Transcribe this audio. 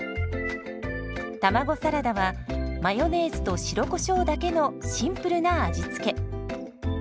卵サラダはマヨネーズと白コショウだけのシンプルな味付け。